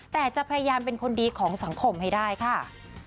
แต่จะพยายามเป็นคนดีของสังคมให้ได้ค่ะ